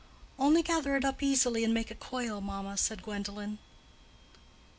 "Only gather it up easily and make a coil, mamma," said Gwendolen.